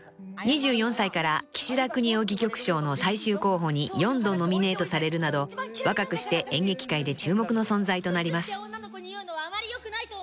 ［２４歳から岸田國士戯曲賞の最終候補に４度ノミネートされるなど若くして演劇界で注目の存在となります］